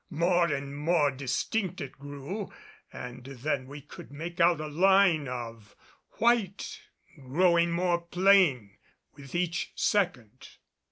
More and more distinct it grew, and then we could make out a line of white growing more plain with each second.